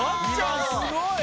すごい！